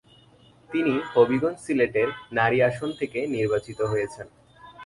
তিনি হবিগঞ্জ-সিলেটের নারী আসন থেকে নির্বাচিত হয়েছেন।